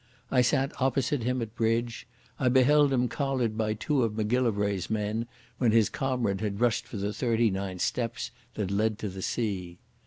I sat opposite him at bridge, I beheld him collared by two of Macgillivray's men, when his comrade had rushed for the thirty nine steps that led to the sea....